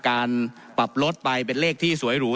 การปรับลดไปเป็นเลขที่สวยหรู